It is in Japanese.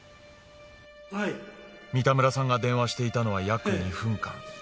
三田村さんが電話していたのは約２分間。